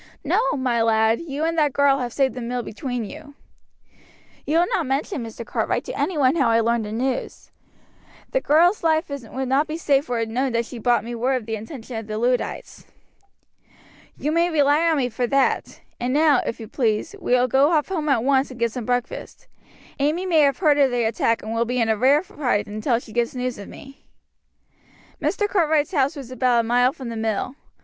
No, my lad, you and that girl have saved the mill between you." "You will not mention, Mr. Cartwright, to any one how I learned the news. The girl's life would not be safe were it known that she brought me word of the intention of the Luddites." "You may rely on me for that; and now, if you please, we will go off home at once and get some breakfast. Amy may have heard of the attack and will be in a rare fright until she gets news of me." Mr. Cartwright's house was about a mile from the mill.